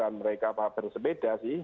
dan mereka bersepeda sih